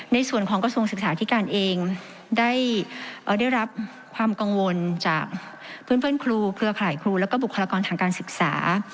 ในส่วนของกระทรวงศึกษาธิการเองได้รับความกังวลจากเพื่อนครูเครือข่ายครูแล้วก็บุคลากรทางการศึกษา